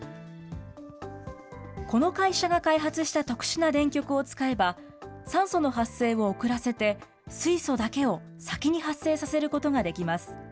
この会社が開発した特殊な電極を使えば、酸素の発生を遅らせて、水素だけを先に発生させることができます。